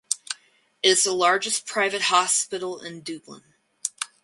It is the largest private hospital in Dublin.